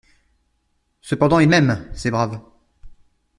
Cependant ils m'aiment, ces braves!